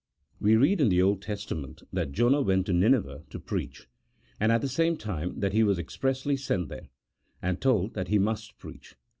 We read in the Old Testament that Jonah went to Nineveh to preach, and at the same time that he was expressly sent there, and told that he mnst preach.